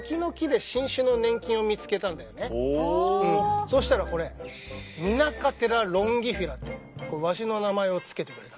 これねそうしたらこれミナカテラ・ロンギフィラってわしの名前を付けてくれた。